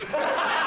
ハハハ！